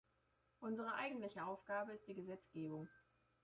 Unsere eigentliche Aufgabe ist die Gesetzgebung.